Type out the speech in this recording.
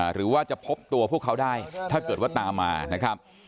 หรือว่าจะพบตัวพวกเขาได้ถ้าเกิดว่าตามมานะครับ